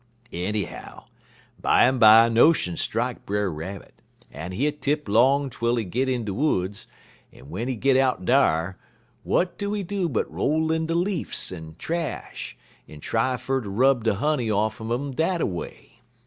"Ennyhow, bimeby a notion strike Brer Rabbit, en he tip 'long twel he git in de woods, en w'en he git out dar, w'at do he do but roll in de leafs en trash en try fer ter rub de honey off'n 'im dat a way.